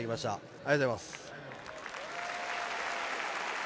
ありがとうございます。